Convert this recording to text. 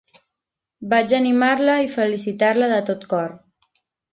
Vaig animar-la i felicitar-la de tot cor.